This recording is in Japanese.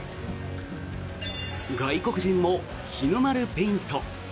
外国人も日の丸ペイント。